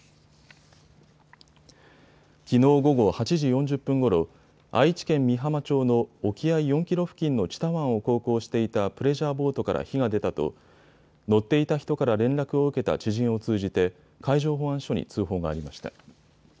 きのう午後８時４０分ごろ、愛知県美浜町の沖合４キロ付近の知多湾を航行していたプレジャーボートから火が出たと乗っていた人から連絡を受けた知人を通じて海上保安署に通報がありました。